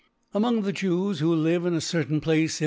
Among th/e Jews who live in a, certain Place in